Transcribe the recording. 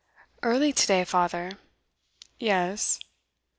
'Early to day, father.' 'Yes.